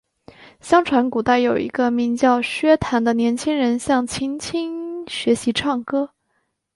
相传古代有一个名叫薛谭的年轻人向秦青学习唱歌。